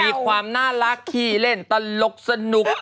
มีความน่ารักขี้เล่นตลกสนุก